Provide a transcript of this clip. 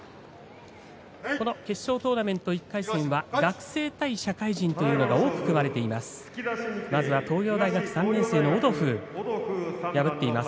この決勝トーナメント１回戦は学生対社会人というのが多く組まれています。